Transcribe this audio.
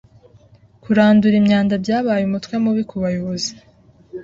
Kurandura imyanda byabaye umutwe mubi kubayobozi.